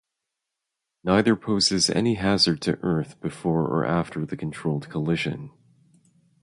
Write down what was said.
Neither poses any hazard to Earth before or after the controlled collision.